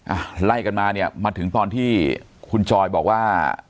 อ่ะไล่กันมาเนี่ยมาถึงตอนที่คุณจอยบอกว่า